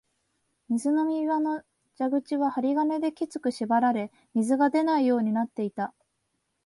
水飲み場の蛇口は針金できつく縛られ、水が出ないようになっていた